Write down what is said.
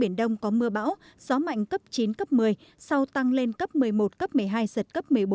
biển đông có mưa bão gió mạnh cấp chín cấp một mươi sau tăng lên cấp một mươi một cấp một mươi hai giật cấp một mươi bốn